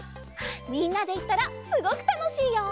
みんなでいったらすごくたのしいよ！